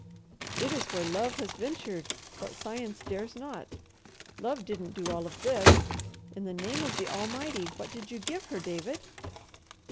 "It is where love has ventured what science dares not. Love didn't do all of this. In the name of the Almighty, what did you give her, David?"